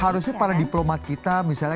harusnya para diplomat kita misalnya